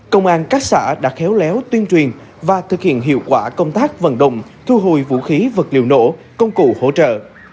công an các xã đã khéo léo tuyên truyền và thực hiện hiệu quả công tác vận động thu hồi vũ khí vật liệu nổ công cụ hỗ trợ